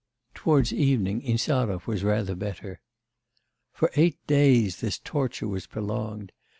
Towards evening Insarov was rather better. For eight days this torture was prolonged.